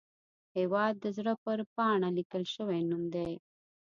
هیواد د زړه پر پاڼه لیکل شوی نوم دی